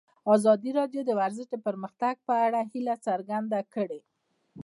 ازادي راډیو د ورزش د پرمختګ په اړه هیله څرګنده کړې.